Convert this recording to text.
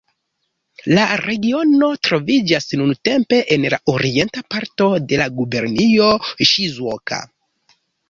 La regiono troviĝas nuntempe en la orienta parto de la gubernio Ŝizuoka.